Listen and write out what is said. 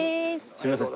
すみません